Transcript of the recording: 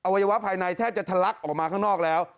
วัยวะภายในแทบจะทะลักออกมาข้างนอกแล้ว